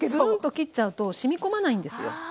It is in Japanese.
ずんと切っちゃうとしみ込まないんですよ。